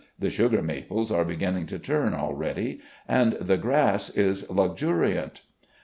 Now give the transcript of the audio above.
The sugar maples are beginning to turn already, and the grass is luxuriant.